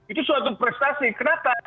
itu suatu prestasi kenapa